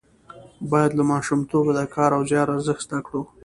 باید له ماشومتوبه د کار او زیار ارزښت زده کړو.